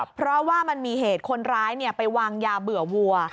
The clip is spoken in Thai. เพราะว่ามันมีเหตุคนร้ายไปวางยาเบื่อวัว